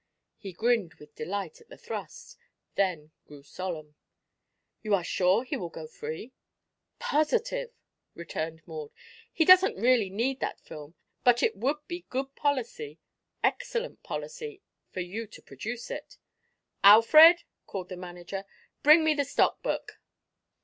He grinned with delight at the thrust, then grew solemn. "You are sure he will go free?" "Positive," returned Maud. "He doesn't really need that film, but it would be good policy excellent policy for you to produce it." "Alfred!" called the manager. "Bring me the stock book."